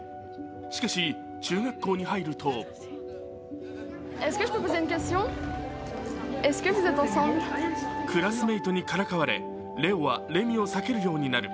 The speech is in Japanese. しかし、中学校に入るとクラスメートにからかわれレミはレオを避けるようになる。